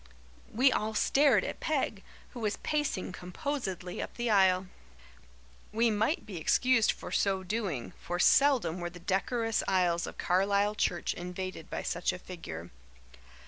We all stared at Peg, who was pacing composedly up the aisle. We might be excused for so doing, for seldom were the decorous aisles of Carlisle church invaded by such a figure.